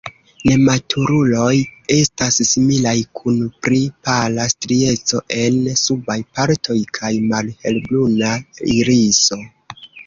Nematuruloj estas similaj kun pli pala strieco en subaj partoj kaj malhelbruna iriso.